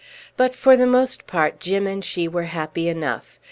But for the most part Jim and she were happy enough.